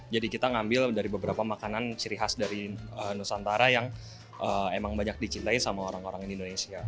jadi kita ngambil dari beberapa makanan ciri khas dari nusantara yang emang banyak dicintai sama orang orang di indonesia